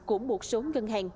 của một số ngân hàng